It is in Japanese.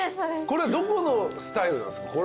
これどこのスタイルなんすか？